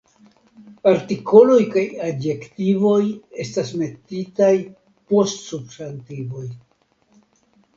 Artikoloj kaj adjektivoj estas metitaj post substantivoj.